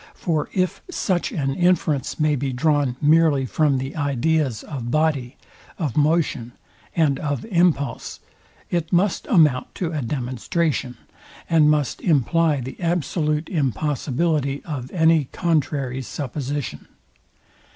For if such an inference may be drawn merely from the ideas of body, of motion, and of impulse, it must amount to a demonstration, and must imply the absolute impossibility of any contrary supposition.